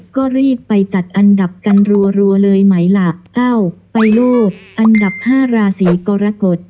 ก็รีบไปจัดอันดับกันรัวเลยไหมล่ะเอ้าไปโลกอันดับ๕ราศีกรกฎ